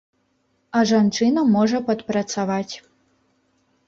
А жанчына можа падпрацаваць.